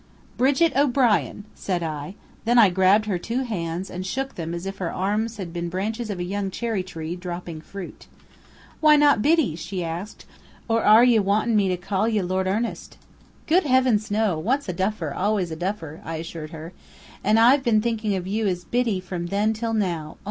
"Brigit O'Brien!" said I. Then I grabbed her two hands and shook them as if her arms had been branches of a young cherry tree, dropping fruit. "Why not Biddy?" she asked. "Or are ye wanting me to call ye Lord Ernest?" "Good heavens, no! Once a Duffer, always a Duffer," I assured her. "And I've been thinking of you as Biddy from then till now.